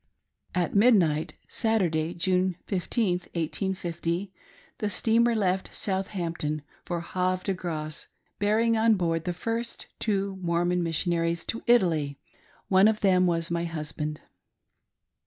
At midnight, Saturday, June 15th, 1850, the steamer left Southampton for Havre de Grace, bearing on board the first two Mormon Missionaries to Italy — one of them was my husband.